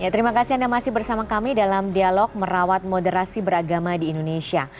terima kasih anda masih bersama kami dalam dialog merawat moderasi beragama di indonesia